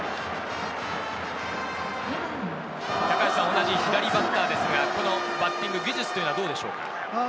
同じ左バッターですが、このバッティング技術はどうでしょうか？